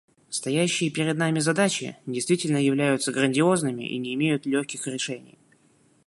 Стоящие перед нами задачи действительно являются грандиозными и не имеют легких решений.